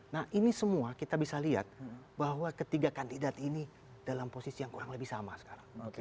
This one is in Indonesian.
nah ini semua kita bisa lihat bahwa ketiga kandidat ini dalam posisi yang kurang lebih sama sekarang